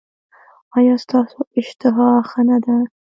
ایا ستاسو اشتها ښه نه ده؟